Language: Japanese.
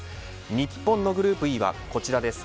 日本のグループＥはこちらです。